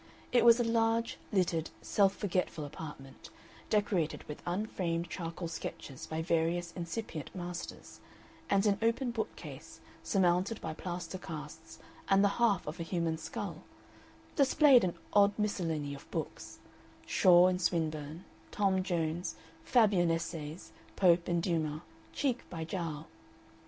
It was a large, littered, self forgetful apartment, decorated with unframed charcoal sketches by various incipient masters; and an open bookcase, surmounted by plaster casts and the half of a human skull, displayed an odd miscellany of books Shaw and Swinburne, Tom Jones, Fabian Essays, Pope and Dumas, cheek by jowl.